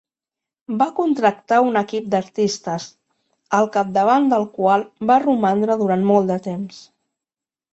Va contractar un equip d'artistes, al capdavant del qual va romandre durant molt de temps.